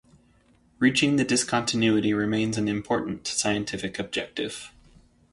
Reaching the discontinuity remains an important scientific objective.